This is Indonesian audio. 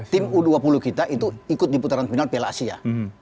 tim u dua puluh kita itu ikut di putaran final piala asia